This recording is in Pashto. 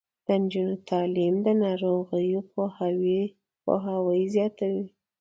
د نجونو تعلیم د ناروغیو پوهاوي زیاتوي.